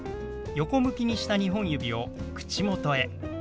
横向きにした２本指を口元へ。